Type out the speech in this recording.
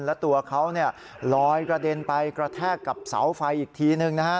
แล้วตัวเขาลอยกระเด็นไปกระแทกกับเสาไฟอีกทีหนึ่งนะฮะ